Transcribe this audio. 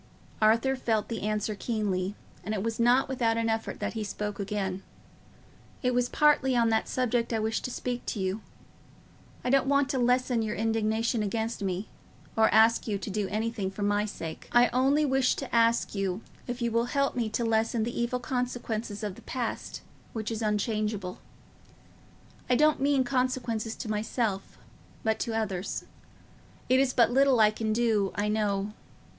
Arthur felt the answer keenly, and it was not without an effort that he spoke again. "It was partly on that subject I wished to speak to you. I don't want to lessen your indignation against me, or ask you to do anything for my sake. I only wish to ask you if you will help me to lessen the evil consequences of the past, which is unchangeable. I don't mean consequences to myself, but to others. It is but little I can do, I know.